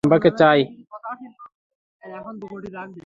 আমার সিম্বাকে চাই।